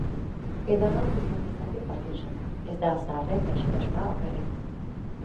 Edornok izan dezake parkinsona, ez da zaharren gaixotasuna bakarrik.